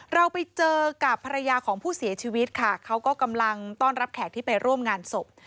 เราไปเจอกับภรรยาของผู้เสียชีวิตค่ะเขาก็กำลังต้อนรับแขกที่ไปร่วมงานศพ